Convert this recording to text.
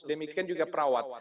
demikian juga perawat